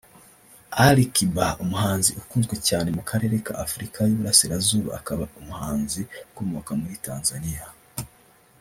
Ali Kiba umuhanzi ukunzwe cyane mu karere ka Afurika y’iburasirazuba akaba umuhanzi ukomoka muri Tanzania